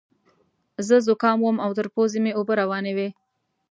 زه ذکام وم او تر پوزې مې اوبه روانې وې.